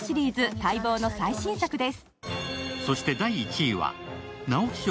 待望の最新作です。